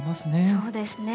そうですね。